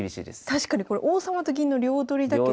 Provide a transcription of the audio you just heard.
確かにこれ王様と銀の両取りだけど。